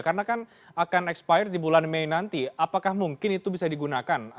karena kan akan ekspirasi di bulan mei nanti apakah mungkin itu bisa digunakan